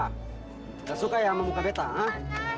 enggak suka ya sama muka betah eh